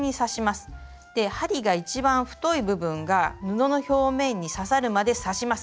針が一番太い部分が布の表面に刺さるまで刺します。